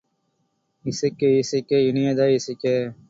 இசைக்க இசைக்க இனியதாய் இசைக்க!.